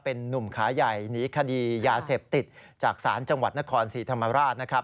เป็นนุ่มขาใหญ่หนีคดียาเสพติดจากศาลจังหวัดนครศรีธรรมราชนะครับ